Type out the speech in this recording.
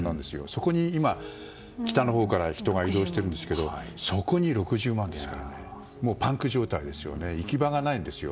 そこに北のほうから人が移動しているんですけどそこに６０万ですからもうパンク状態で行き場がないんですよ。